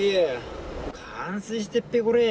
冠水してっぺ、これ。